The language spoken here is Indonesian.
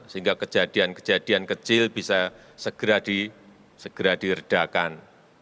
sehingga kejadian kejadian kecil bisa segera diredakan